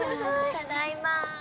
ただいま。